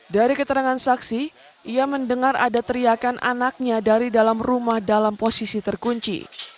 dari keterangan saksi ia mendengar ada teriakan anaknya dari dalam rumah dalam posisi terkunci